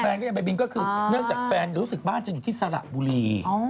ก็ยังไปบินก็คือเนื่องจากแฟนรู้สึกบ้านจะอยู่ที่สระบุรี